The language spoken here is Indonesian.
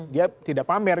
dia tidak pamer